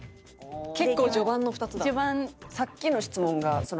結構序盤の２つだ。